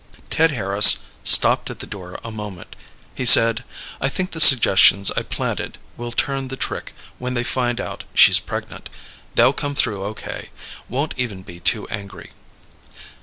Ted Harris stopped at the door a moment. He said, "I think the suggestions I planted will turn the trick when they find out she's pregnant. They'll come through okay won't even be too angry."